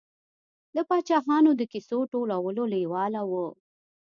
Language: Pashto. د پاچاهانو د کیسو ټولولو لېواله و.